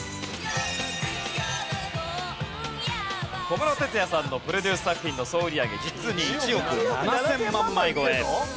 小室哲哉さんのプロデュース作品の総売り上げ実に１億７０００万枚超え。